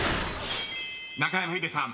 ［中山ヒデさん